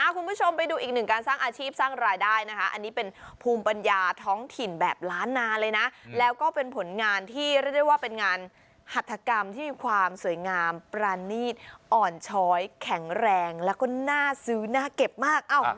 คุณผู้ชมไปดูอีกหนึ่งการสร้างอาชีพสร้างรายได้นะคะอันนี้เป็นภูมิปัญญาท้องถิ่นแบบล้านนาเลยนะแล้วก็เป็นผลงานที่เรียกได้ว่าเป็นงานหัตถกรรมที่มีความสวยงามประนีตอ่อนช้อยแข็งแรงแล้วก็น่าซื้อน่าเก็บมาก